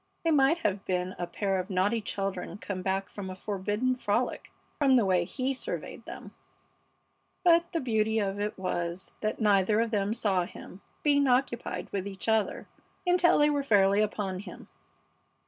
They might have been a pair of naughty children come back from a forbidden frolic, from the way he surveyed them. But the beauty of it was that neither of them saw him, being occupied with each other, until they were fairly upon him.